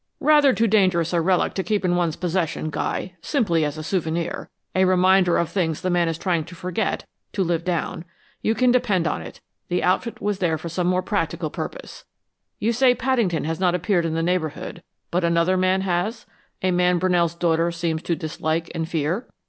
"Rather too dangerous a relic to keep in one's possession, Guy, simply as a souvenir a reminder of things the man is trying to forget, to live down. You can depend on it: the outfit was there for some more practical purpose. You say Paddington has not appeared in the neighborhood, but another man has a man Brunell's daughter seems to dislike and fear?"